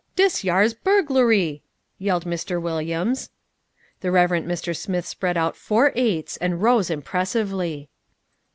"Dis yar's buglry!" yelled Mr. Williams. The Reverend Mr. Smith spread out four eights and rose impressively.